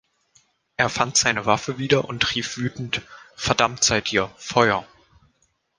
Er fand seine Waffe wieder und rief wütend: „Verdammt seid ihr, Feuer!“